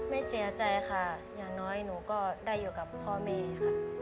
เสียใจค่ะอย่างน้อยหนูก็ได้อยู่กับพ่อแม่ค่ะ